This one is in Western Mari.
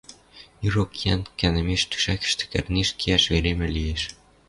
ирок йӓнг кӓнӹмеш тӱшӓкӹштӹ кӓрнешт киӓш веремӓ лиэш.